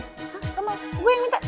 sama gue yang minta